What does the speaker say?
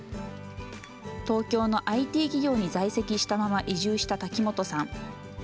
東京のＩＴ企業に在籍したまま移住した滝本さん。